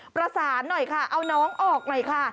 ประสานหน่อยค่ะเอาน้องออกหน่อยค่ะ